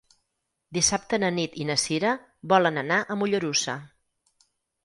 Dissabte na Nit i na Sira volen anar a Mollerussa.